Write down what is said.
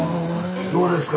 どうですか？